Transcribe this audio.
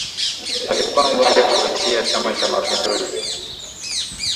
Alikua mbunge kupitia chama Cha Mapinduzi